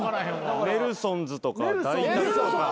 ネルソンズとかダイタクとか。